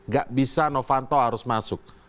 gak bisa novanto harus masuk